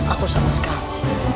aku sama sekali